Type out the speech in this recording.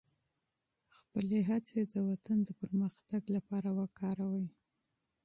خپلې هڅې د وطن د ترقۍ لپاره وقف کړئ.